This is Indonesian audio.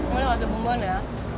emang ada sate bumbon ya